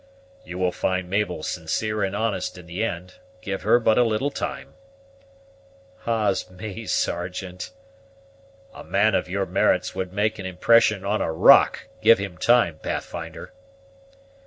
"You will find Mabel sincere and honest in the end; give her but a little time." "Ah's me, Sergeant!" "A man of your merits would make an impression on a rock, give him time, Pathfinder."